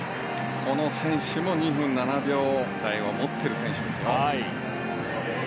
この選手も２分７秒台を持っている選手ですよ。